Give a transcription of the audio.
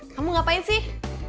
kamu ngapain sih